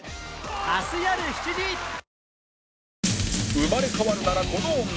生まれ変わるならこの女